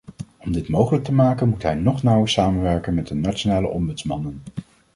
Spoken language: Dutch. Om dit mogelijk te maken moet hij nog nauwer samenwerken met de nationale ombudsmannen.